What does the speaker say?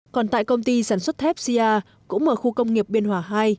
còn tại công ty sản xuất thép sia cũng ở khu công nghiệp biên hỏa hai